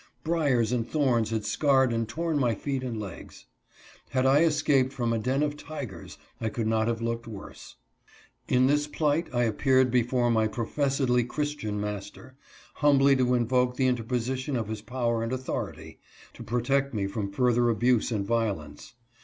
Briers and thorns had scarred and torn my feet and legs. Had I escaped from a den of tigers, I could not have looked worse. In this plight I appeared before my professedly Christian master, humbly to invoke the interposition of his power and authority, to protect me from further abuse and violence.